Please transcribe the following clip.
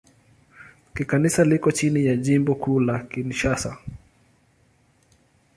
Kikanisa liko chini ya Jimbo Kuu la Kinshasa.